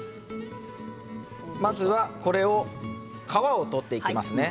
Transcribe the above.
まずは、これを皮を取っていきますね。